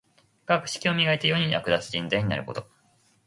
学識を磨いて、世に役立つ人材になること。